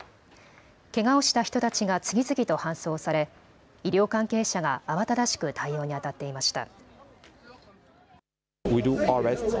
けがをした人たちが次々と搬送され医療関係者が慌ただしく対応にあたっていました。